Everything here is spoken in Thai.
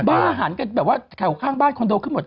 บ้าหันกันแบบว่าแถวข้างบ้านคอนโดขึ้นหมด